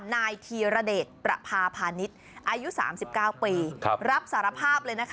นายธีรเดชประพาพาณิชย์อายุ๓๙ปีรับสารภาพเลยนะคะ